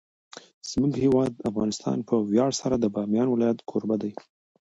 زموږ هیواد افغانستان په ویاړ سره د بامیان ولایت کوربه دی.